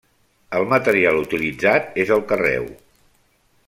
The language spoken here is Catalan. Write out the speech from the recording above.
El material utilitzat és el carreu.